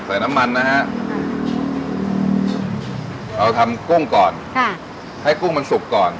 ใส่น้ำมันนะฮะเราทำกุ้งก่อนค่ะให้กุ้งมันสุกก่อน